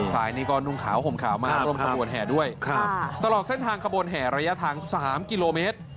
ซ้ายนี้ก็นุ่งขาวห่มขาวมาร่วมขบวนแห่ด้วยตลอดเส้นทางขบวนแห่ระยะทาง๓กิโลเมตร